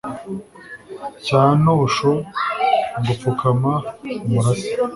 cya Ntosho ngo pfukama umurase